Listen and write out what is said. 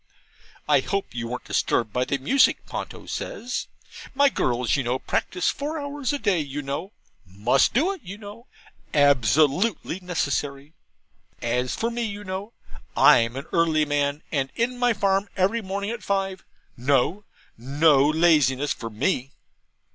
'I hope you weren't disturbed by the music?' Ponto says. 'My girls, you know, practise four hours a day, you know must do it, you know absolutely necessary. As for me, you know I'm an early man, and in my farm every morning at five no, no laziness for ME.'